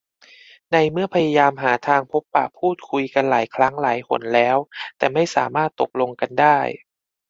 ในเมื่อพยายามหาทางพบปะพูดคุยกันหลายครั้งหลายหนแล้ว แต่ไม่สามารถตกลงกันได้